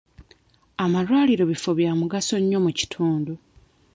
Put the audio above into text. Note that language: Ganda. Amalwaliro bifo bya mugaso nnyo mu kitundu.